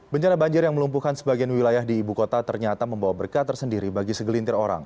bencana banjir yang melumpuhkan sebagian wilayah di ibu kota ternyata membawa berkat tersendiri bagi segelintir orang